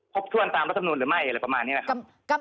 พบถ้วนรับทรรมนูลหรือไม่อะไรประมาณนี้นะครับ